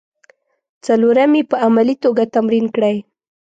څلورم یې په عملي توګه تمرین کړئ.